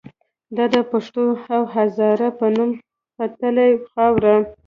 دا د پښتون او هزاره په نوم ختلې خاوره